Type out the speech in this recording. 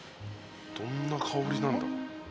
どんな香りなんだ？